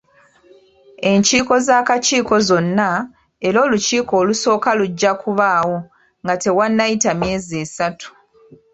Enkiiko z'Akakiiko zonna era olukiiko olusooka lujja kubaawo nga tewannayita myezi esatu.